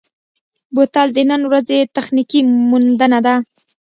بوتل د نن ورځې تخنیکي موندنه ده.